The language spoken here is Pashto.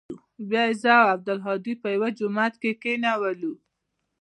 بيا يې زه او عبدالهادي په يوه جماعت کښې کښېنولو.